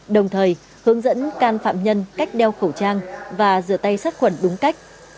đồng thời hướng dẫn can phạm nhân cách đeo khẩu trang và rửa tay sát khuẩn đúng cách